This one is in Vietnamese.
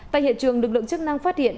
tại hiện trường lực lượng chức năng phát hiện